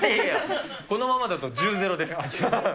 このままだと１０・０です。